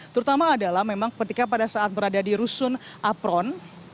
terutama adalah memang ketika pada saat berada di rusun apron